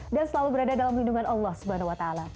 dan selalu berada dalam lindungan allah swt